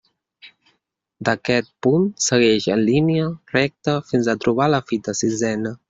D'aquest punt segueix en línia recta fins a trobar la fita sisena.